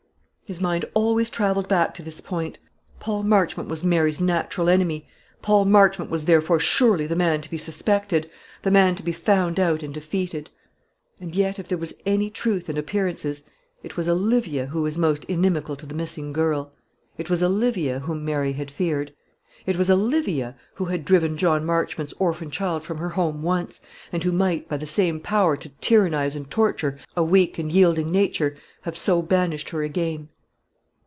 His mind always travelled back to this point. Paul Marchmont was Mary's natural enemy. Paul Marchmont was therefore surely the man to be suspected, the man to be found out and defeated. And yet, if there was any truth in appearances, it was Olivia who was most inimical to the missing girl; it was Olivia whom Mary had feared; it was Olivia who had driven John Marchmont's orphan child from her home once, and who might, by the same power to tyrannise and torture a weak and yielding nature, have so banished her again.